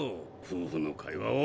夫婦の会話を。